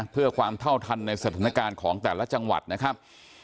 เพื่อความเท่าทันในสถานการณ์ของแต่ละจังหวัดนะครับ